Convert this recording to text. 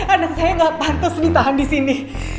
anak saya gak pantas ditahan disini